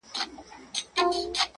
نن هغه ماشه د ورور پر لور كشېږي.!